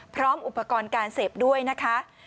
พร้อมอุปกรณ์การเสพด้วยนะคะ